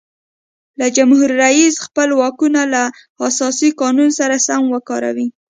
که جمهور رئیس خپل واکونه له اساسي قانون سره سم وکاروي.